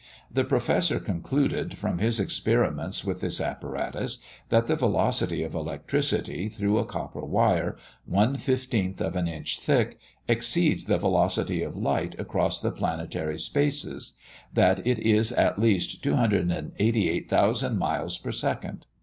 The Professor concluded, from his experiments with this apparatus, that the velocity of electricity through a copper wire, one fifteenth of an inch thick, exceeds the velocity of light across the planetary spaces; that it is at least 288,000 miles per second.